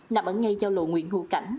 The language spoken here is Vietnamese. nằm ở ngay giao lộ nguyễn hữu cảnh